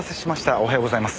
おはようございます。